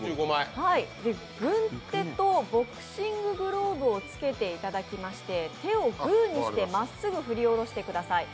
軍手とボクシンググローブを着けていただきまして、手をグーにしてまっすぐ振り下ろしてください。